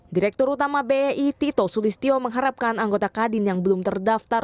direktur utama bei tito sulistyo mengharapkan anggota kadin yang belum terdaftar